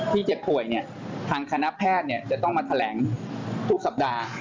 เจ็บป่วยเนี่ยทางคณะแพทย์จะต้องมาแถลงทุกสัปดาห์